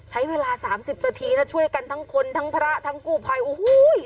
ใช้เวลาสามสิบนาทีนะช่วยกันทั้งคนทั้งพระทั้งกู้ภัยโอ้โห